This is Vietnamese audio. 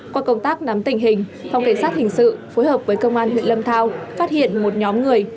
qua công tác nắm tình hình phòng cảnh sát hình sự phối hợp với công an huyện lâm thao phát hiện một nhóm người